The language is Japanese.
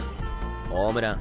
ホームラン。